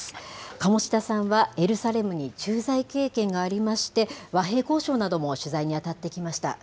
鴨志田さんはエルサレムに駐在経験がありまして、和平交渉なども取材に当たってきました。